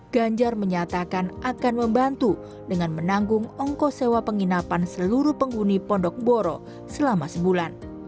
ganjar menyatakan akan membantu dengan menanggung ongkos sewa penginapan seluruh penghuni pondok boro selama sebulan